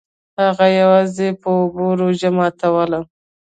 هغه یوازې په اوبو روژه ماتوله.